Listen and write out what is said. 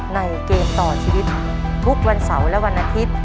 เกมต่อชีวิตทุกวันเสาร์และวันอาทิตย์